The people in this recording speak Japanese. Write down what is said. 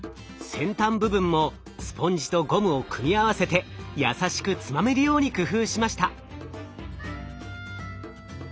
先端部分もスポンジとゴムを組み合わせて優しくつまめるように工夫しました。